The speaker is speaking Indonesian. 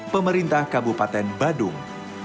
pemerintah kabupaten badung